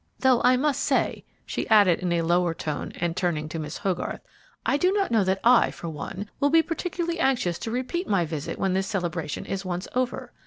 Though I must say," she added, in a lower tone, and turning to Mrs. Hogarth, "I do not know that I, for one, will be particularly anxious to repeat my visit when this celebration is once over.